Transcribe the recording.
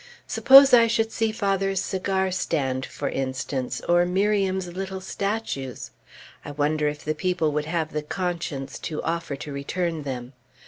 Suppose I should see father's cigar stand, for instance, or Miriam's little statues? I wonder if the people would have the conscience to offer to return them?